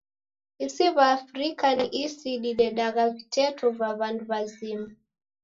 Isi w'a Afrika ni isi didedagha viteto va w'andu w'azima.